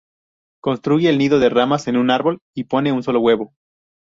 Construye el nido de ramas en un árbol y pone un solo huevo.